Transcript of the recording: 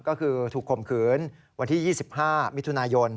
ก็คือถูกข่มขืนวันที่๒๕มิถุนายน